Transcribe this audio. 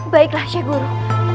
baiklah syekh guru